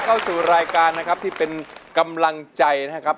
เข้าสู่รายการนะครับที่เป็นกำลังใจนะครับ